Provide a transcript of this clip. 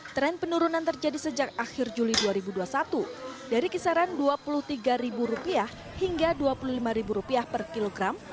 tren penurunan terjadi sejak akhir juli dua ribu dua puluh satu dari kisaran rp dua puluh tiga hingga rp dua puluh lima per kilogram